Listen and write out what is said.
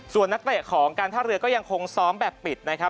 ส่วนนักเตะของการท่าเรือก็ยังคงซ้อมแบบปิดนะครับ